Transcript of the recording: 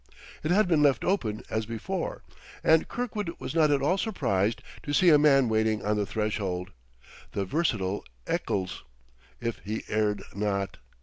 It had been left open, as before; and Kirkwood was not at all surprised to see a man waiting on the threshold, the versatile Eccles, if he erred not.